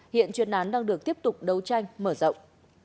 hiện chuyên án đang được tiếp tục đấu tranh mở rộng